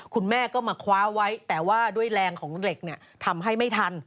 คุณแม่ก็มาคว้าไว้แต่ว่าด้วยแรงของเหล็กเนี่ยทำให้ไม่ทัน